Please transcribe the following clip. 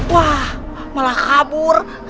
wah malah kabur